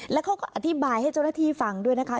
แล้วเขาก็อธิบายให้เจ้าหน้าที่ฟังด้วยนะคะ